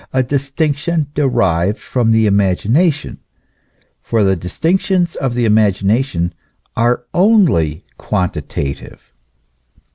a distinction derived from the imagination, for the distinctions of the imagination are only quantitative.